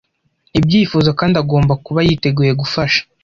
ibyifuzo kandi agomba kuba yiteguye gufasha